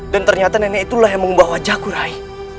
dan ternyata nenek itulah yang mengubah wajahku rai